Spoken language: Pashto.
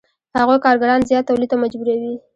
هغوی کارګران زیات تولید ته مجبوروي